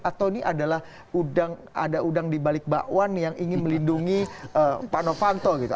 atau ini adalah ada udang di balik bakwan yang ingin melindungi pak novanto gitu